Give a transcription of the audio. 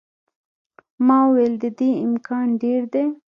ما وویل، د دې امکان ډېر دی.